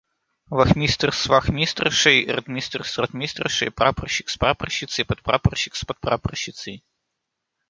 Вахмистр с вахмистршей, ротмистр с ротмистршей, прапорщик с прапорщицей, подпрапорщик с подпрапорщицей.